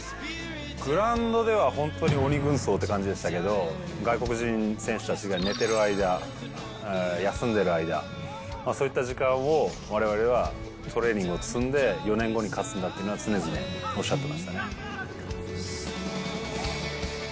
グラウンドでは本当に鬼軍曹って感じでしたけど、外国人選手たちが寝てる間、休んでる間、そういった時間をわれわれはトレーニングを積んで、４年後に勝つんだというのは、常々おっしゃってましたね。